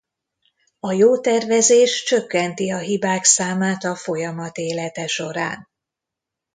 A jó tervezés csökkenti a hibák számát a folyamat élete során.